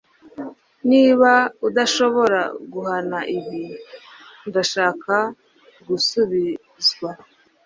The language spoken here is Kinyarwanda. Niba udashobora guhana ibi, ndashaka gusubizwa.